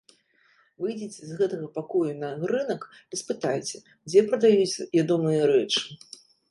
Выйдзеце з гэтага пакою на рынак і спытайце, дзе прадаюць ядомыя рэчы?